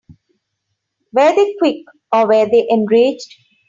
Were they quick or were they enraged?